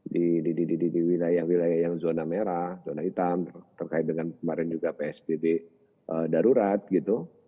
di wilayah wilayah yang zona merah zona hitam terkait dengan kemarin juga psbb darurat gitu